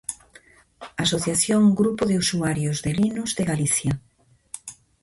Asociación Grupo de Usuarios de Linux de Galicia.